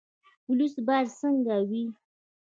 پولیس باید څنګه وي؟